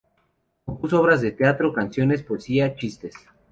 Compuso obras de teatro, canciones, poesía, chistes.